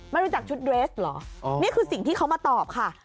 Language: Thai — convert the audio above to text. ไม่รู้จักชุดเรสเหรอนี่คือสิ่งที่เขามาตอบค่ะ